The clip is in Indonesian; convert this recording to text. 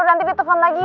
nanti ditepan lagi